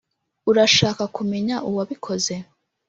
urashaka kumenya uwabikoze?